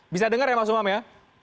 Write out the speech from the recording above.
bisa dengar ya mas umam ya